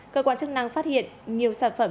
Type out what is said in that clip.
cơ quan chức năng phát hiện nhiều sản phẩm